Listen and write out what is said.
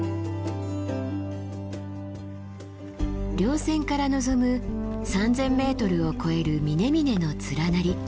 稜線から望む３，０００ｍを超える峰々の連なり。